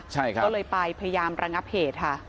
ใช่ครับก็เลยไปพยายามระงับเหตุค่ะ